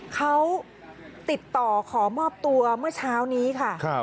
เขาติดต่อขอมอบตัวเมื่อเช้านี้ค่ะ